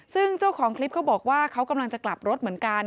ซึ่งเจ้าของคลิปเขาบอกว่าเขากำลังจะกลับรถเหมือนกัน